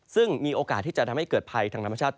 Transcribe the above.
ซึ่งมีโอกาสที่จะทำให้เกิดภัยทางธรรมชาติ